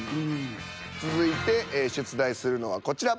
続いて出題するのはこちら。